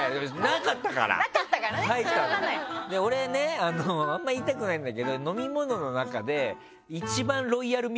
俺ねあんま言いたくないんだけど飲み物の中で一番。